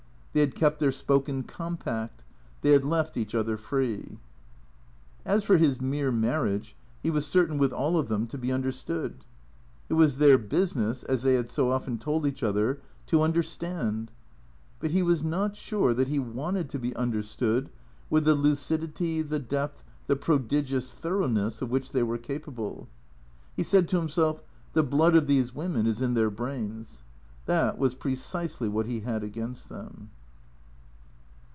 They had kept their spoken compact. They had left each other free. As for his mere marriage, he was certain with all of them to be understood. It was their business, as they had so often told each other, to understand. But he was not sure that he wanted to be understood with the lucidity, the depth, the prodi gious thoroughness of which they were capable. He said to himself, " The blood of these women is in their brains." That was precisely what he had against them.